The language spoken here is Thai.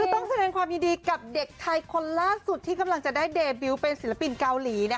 ต้องแสดงความยินดีกับเด็กไทยคนล่าสุดที่กำลังจะได้เดบิลเป็นศิลปินเกาหลี